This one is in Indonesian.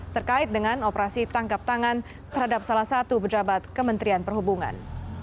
terkait dengan operasi tangkap tangan terhadap salah satu pejabat kementerian perhubungan